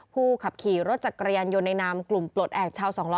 ผู้ขับขี่รถจักรยานยนต์ในนามกลุ่มปลดแอบชาวสองล้อ